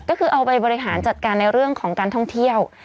ก็คือเอาไปบริหารจัดการในเรื่องของการท่องเที่ยว